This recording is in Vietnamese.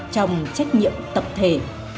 trong trách nhiệm tập thể